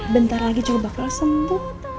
bentar lagi juga bakal sentuh